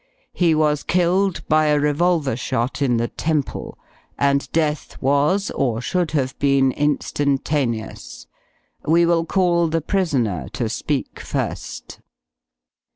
He was killed by a revolver shot in the temple, and death was or should have been instantaneous. We will call the prisoner to speak first."